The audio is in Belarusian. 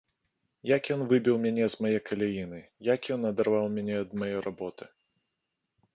Як ён выбіў мяне з мае каляіны, як ён адарваў мяне ад мае работы!